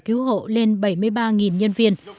cứu hộ lên bảy mươi ba nhân viên